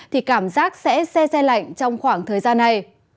thì cảm giác sẽ xe xe lạnh trong khoảng thời gian này